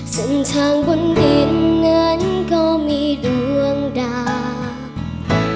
สิ่งทางบนดินก็มีดวงดาว